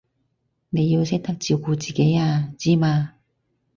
你要識得照顧自己啊，知嘛？